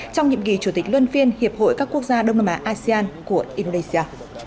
trong nhiệm kỳ chủ tịch luân phiên hiệp hội các quốc gia đông nam á asean của indonesia